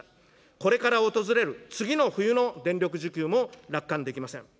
これから訪れる次の冬の電力需給も楽観できません。